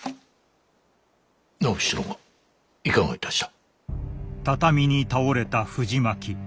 直七郎がいかがいたした？